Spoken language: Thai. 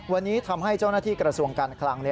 วันนี้ทำให้เจ้าหน้าที่กระทรวงการคลัง